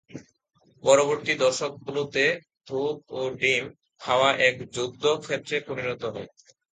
পরবর্তী দশকগুলোতে দুধ ও ডিম খাওয়া এক যুদ্ধক্ষেত্রে পরিণত হয়।